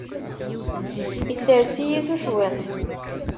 Issers-iyi tucwiḍt.